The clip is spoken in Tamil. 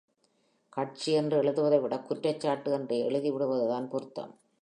கட்சி என்று எழுதுவதைவிட, குற்றச் சாட்டு என்றே எழுதிவிடுவதுதான் பொருத்தம்.